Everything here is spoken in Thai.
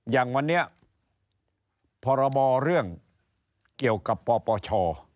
อย่างวันนี้พรบเรื่องเกี่ยวกับปปช